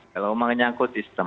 kalau menyangkut sistem